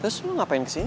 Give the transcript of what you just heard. terus lu ngapain di sini